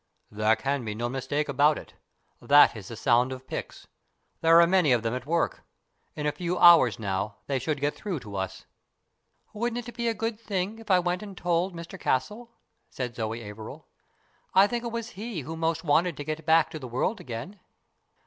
"There can be no mistake about it. That is the sound of picks. There are many of them at work. In a few hours now they should get through to us." " Wouldn't it be a good thing if I went and told Mr Castle ?" said Zoe Averil. " I think it was he who most wanted to get back to the world again."